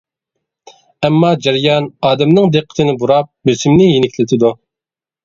ئەمما جەريان ئادەمنىڭ دىققىتىنى بۇراپ، بېسىمنى يېنىكلىتىدۇ.